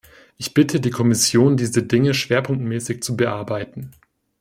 Ich bitte die Kommission, diese Dinge schwerpunktmäßig zu bearbeiten.